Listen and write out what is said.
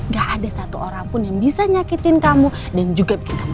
gak ada satu orang pun yang bisa nyakitin kamu dan juga bikin kamu